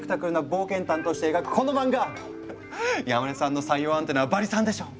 このマンガ山根さんの採用アンテナはバリ３でしょう！